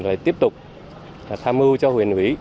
lại tiếp tục tham mưu cho huyền huy